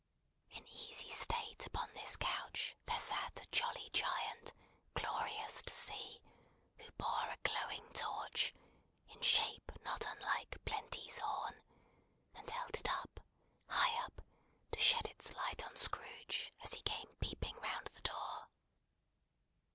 In easy state upon this couch, there sat a jolly Giant, glorious to see; who bore a glowing torch, in shape not unlike Plenty's horn, and held it up, high up, to shed its light on Scrooge, as he came peeping round the door.